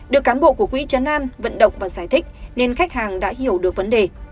được cán bộ của quỹ chấn an vận động và giải thích nên khách hàng đã hiểu được vấn đề